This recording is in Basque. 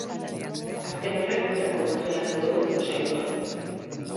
Azken horrek kontrako botoa eman du goizeko saioan.